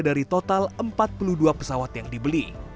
dari total empat puluh dua pesawat yang dibeli